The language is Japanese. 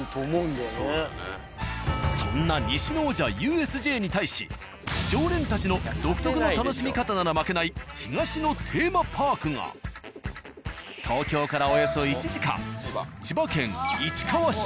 そんな西の王者ＵＳＪに対し常連たちの独特な楽しみ方なら負けない東のテーマパークが東京からおよそ１時間千葉県市川市。